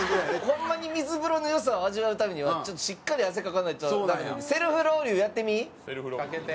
ホンマに水風呂の良さを味わうためにはちょっとしっかり汗かかないとダメなのでセルフロウリュやってみ！